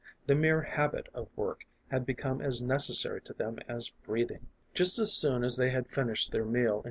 The mere habit of work had become as necessary to them as breathing. Just as soon as they had finished their meal and.